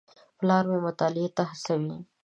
پلار مې مطالعې ته هڅوي.